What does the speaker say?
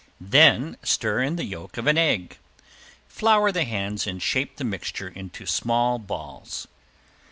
Then stir in the yolk of an egg. Flour the hands and shape the mixture into small balls.